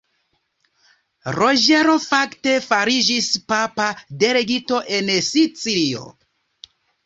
Roĝero, fakte, fariĝis papa delegito en Sicilio.